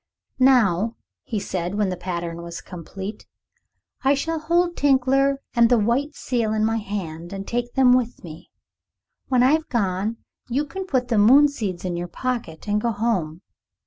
"Now," he said, when the pattern was complete, "I shall hold Tinkler and the white seal in my hand and take them with me. When I've gone, you can put the moon seeds in your pocket and go home.